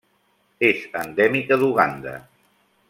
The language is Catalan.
És endèmica d'Uganda.